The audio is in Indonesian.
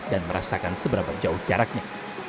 dan merasakan seberapa jauh jaraknya